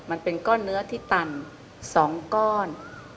มันเป็นก้อนเนื้อที่ต่ำ๒ก้อน